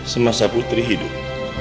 semasa putri hidup